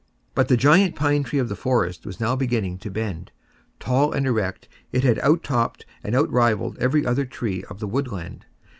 But the giant pine tree of the forest was now beginning to bend. Tall and erect, it had out topped and outrivalled every other tree of the woodland.